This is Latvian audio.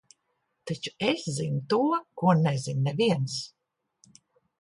Taču es zinu to, ko nezina neviens.